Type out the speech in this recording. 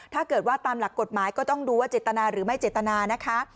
ถ้าเกิดว่าตามหลักกฎหมายก็ต้องดูว่าเจตนาหรือไม่เจตนานะคะ